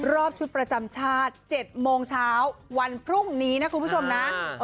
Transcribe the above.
รอบชุดประจำชาติ๗โมงเช้าวันพรุ่งนี้นะคุณผู้ชมนะ